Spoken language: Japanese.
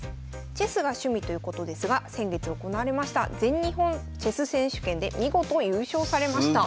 チェスが趣味ということですが先月行われました全日本チェス選手権で見事優勝されました。